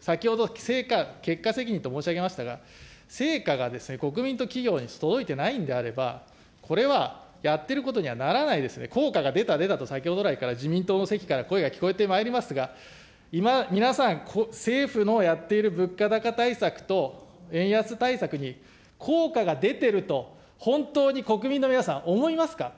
先ほど成果、結果責任と申し上げましたが、成果がですね、国民と企業に届いてないんであれば、これはやってることにはならないですね、効果が出た出たと、先ほど来から自民党の席から声が聞こえてまいりますが、皆さん、政府のやっている物価高対策と円安対策に効果が出てると、本当に国民の皆さん、思いますか。